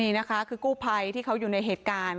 นี่นะคะคือกู้ภัยที่เขาอยู่ในเหตุการณ์